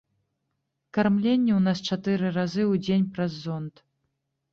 Кармленне ў нас чатыры разы ў дзень праз зонд.